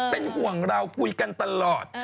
เป็นห่วงเราคุยกันตลอด